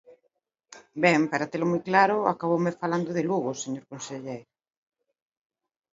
Ben, para telo moi claro, acaboume falando de Lugo, señor conselleiro.